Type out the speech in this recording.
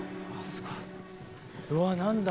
うわ何だ？